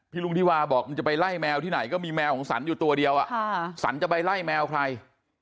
ลุงที่วาบอกมันจะไปไล่แมวที่ไหนก็มีแมวของสันอยู่ตัวเดียวสันจะไปไล่แมวใคร